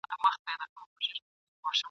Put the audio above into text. یو سړی نسته چي ورکړي تعویذونه ..